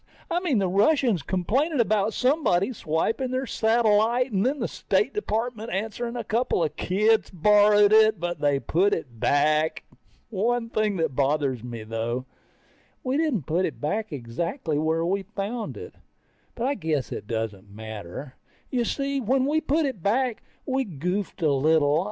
I mean, the Russians complaining about somebody swiping their satellite and then the State Department answering a couple of kids borrowed it, but they put it back. One thing that bothers me though, we didn't put it back exactly the way we found it. But I guess it doesn't matter. You see, when we put it back, we goofed a little.